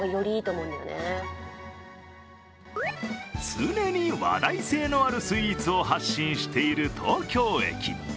常に話題性のあるスイーツを発信している東京駅。